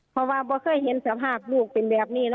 คือเราก็เห็นสภาพลูกเป็นแบบนี้